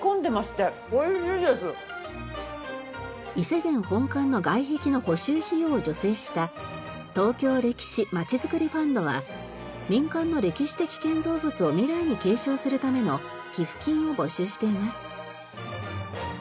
いせ源本館の外壁の補修費用を助成した東京歴史まちづくりファンドは民間の歴史的建造物を未来に継承するための寄付金を募集しています。